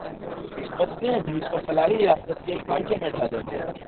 وطن عزیز کو فلاحی ریاست کے سانچے میں ڈھالیں گے